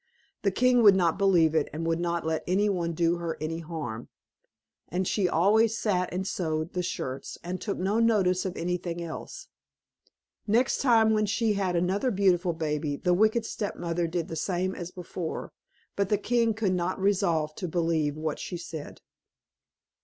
The king would not believe it, and would not let anyone do her any harm. And she always sat and sewed the shirts, and took no notice of anything else. Next time, when she had another beautiful baby, the wicked stepmother did the same as before; but the king could not resolve to believe what she said.